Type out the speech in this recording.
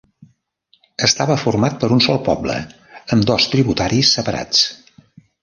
Estava format per un sol poble amb dos tributaris separats.